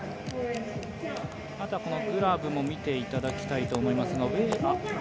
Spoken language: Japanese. あとはグラブも見ていただきたいと思います。